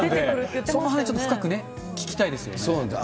そのへんも深く聞きたいですよね。